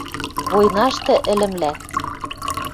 войнашты ӹлӹмлӓ: